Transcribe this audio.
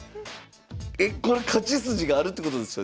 えこれ勝ち筋があるってことですよね？